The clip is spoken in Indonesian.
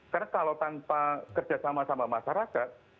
karena kalau tanpa kerjasama sama masyarakat